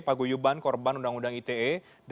pak guyu kl gera korban undang undang ite